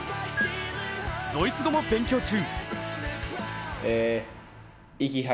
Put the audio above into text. ドイツ語も勉強中。